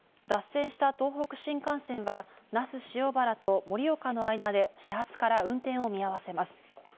脱線した東北新幹線は那須塩原と盛岡の間で始発から運転を見合わせます。